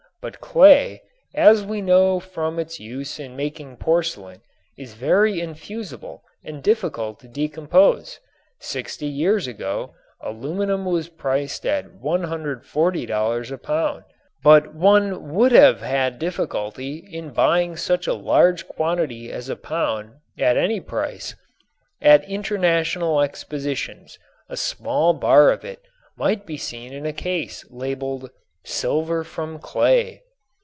But clay, as we know from its use in making porcelain, is very infusible and difficult to decompose. Sixty years ago aluminum was priced at $140 a pound, but one would have had difficulty in buying such a large quantity as a pound at any price. At international expositions a small bar of it might be seen in a case labeled "silver from clay."